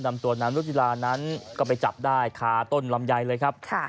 นำตัวนางนุจิลานั้นก็ไปจับได้คาต้นลำไยเลยครับ